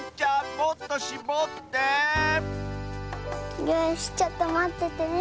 もっとしぼってよしちょっとまっててね。